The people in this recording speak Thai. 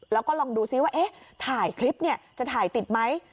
แล้วก็ลองดูซิว่าถ่ายคลิปจะถ่ายติดไหม